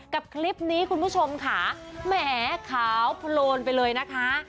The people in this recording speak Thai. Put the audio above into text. กับคลิปนี้คุณผู้ชมค่ะแหมขาวโพลนไปเลยนะคะ